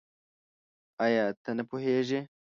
آيا ته نه پوهېږې؟